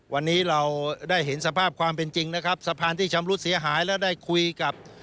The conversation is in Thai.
วันนี้เราได้เห็นสภาพความเป็นจริงนะครับสะพานที่ชำรุดเสียหายและได้คุยกับ